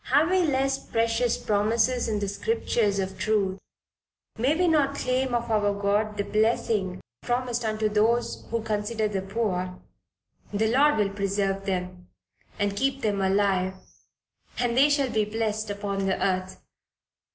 Have we less precious promises in the Scriptures of Truth, may we not claim of our God the blessing promised unto those who consider the poor, the Lord will preserve them and keep them alive and they shall be blessed upon the earth.